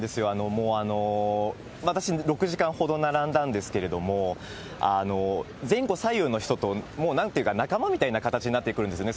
もう、私６時間ほど並んだんですけれども、前後左右の人と、なんていうか、仲間みたいな形になってくるんですね。